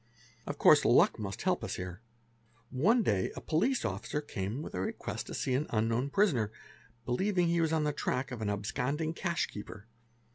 Of course luck must help us here. One day a police officer came with a request to see an unknown prisoner, believing that he was on the track of an absconding cash keeper.